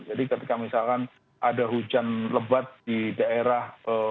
jadi ketika misalkan ada hujan lebat di daerah